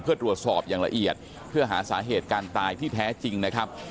เพื่อตรวจสอบอย่างละเอียดเพื่อหาสาเหตุการตายที่แท้จริงนะครับ